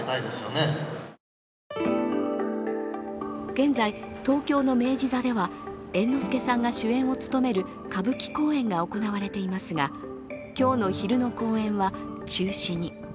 現在、東京の明治座では猿之助さんが主演を務める歌舞伎公演が行われていますが今日の昼の公演は中止に。